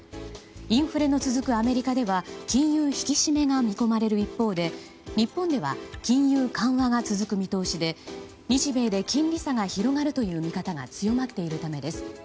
インフレの続くアメリカでは金融引き締めが見込まれる一方で日本では金融緩和が続く見通しで日米で金利差が広がるという見方が強まっているためです。